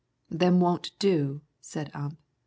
"Them won't do," said Ump.